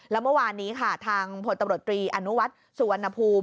แล้วเมื่อวานนี้ค่ะทางพลตำรวจตรีอนุวัฒน์สุวรรณภูมิ